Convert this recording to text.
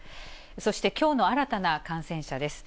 そしてきょうの新たな感染者です。